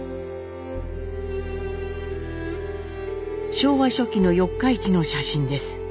昭和初期の四日市の写真です。